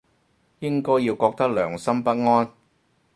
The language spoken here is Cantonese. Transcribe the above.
應該要覺得良心不安